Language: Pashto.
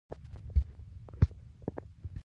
هر عمل ته نیت وزن ورکوي.